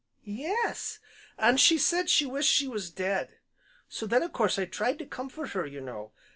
"Yes; an' she said she wished she was dead. So then, a course, I tried to comfort her, you know.